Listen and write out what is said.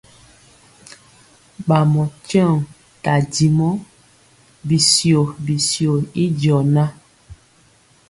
Bamɔ tyeoŋg tadimɔ bityio bityio y diɔ na.